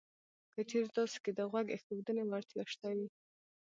که چېرې تاسې کې د غوږ ایښودنې وړتیا شته وي